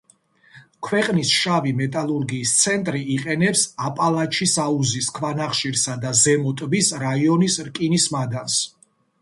ქვეყნის შავი მეტალურგიის ცენტრი, იყენებს აპალაჩის აუზის ქვანახშირსა და ზემო ტბის რაიონის რკინის მადანს.